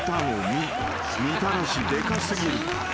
［「みたらしデカすぎる」］